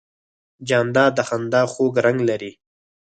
جانداد د خندا خوږ رنګ لري.